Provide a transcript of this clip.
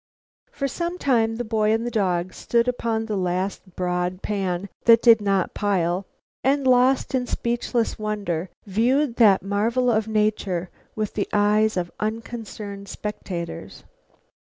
For some time the boy and the dog stood upon the last broad pan that did not pile and, lost in speechless wonder, viewed that marvel of nature with the eyes of unconcerned spectators.